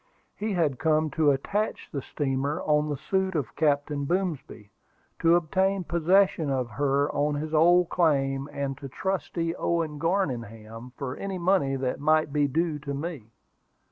He had come to attach the steamer on the suit of Captain Boomsby, to obtain possession of her on his old claim, and to trustee Owen Garningham for any money that might be due to me.